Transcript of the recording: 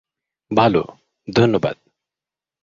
ভালো, ধন্যবাদ।